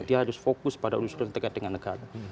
dia harus fokus pada urusan yang terkait dengan negara